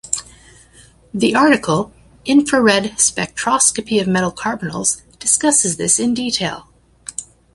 The article infrared spectroscopy of metal carbonyls discusses this in detail.